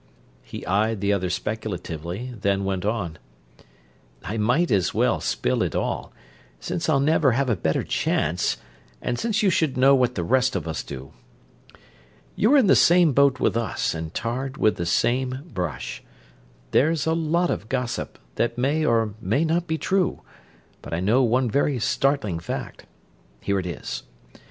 He eyed the other speculatively, then went on: "I might as well spill it all, since I'll never have a better chance and since you should know what the rest of us do. You're in the same boat with us and tarred with the same brush. There's a lot of gossip, that may or may not be true, but I know one very startling fact. Here it is.